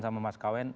sama mas kawen